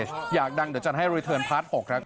ทำไมหรอ